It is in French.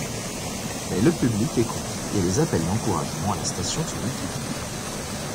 Mais le public est conquis et les appels d'encouragement à la station se multiplient.